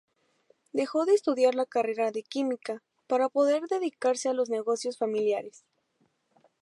Dejó de estudiar la carrera de química, para poder dedicarse a los negocios familiares.